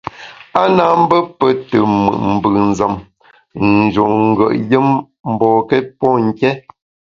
A na mbe pe te mùt mbùnzem, ń njun ngùet yùm mbokét pô nké.